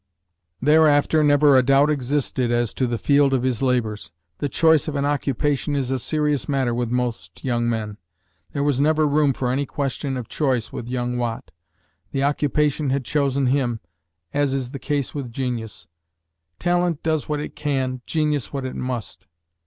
Thereafter never a doubt existed as to the field of his labors. The choice of an occupation is a serious matter with most young men. There was never room for any question of choice with young Watt. The occupation had chosen him, as is the case with genius. "Talent does what it can, genius what it must."